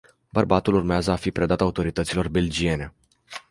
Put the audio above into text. Bărbatul urmează a fi predat autorităților belgiene.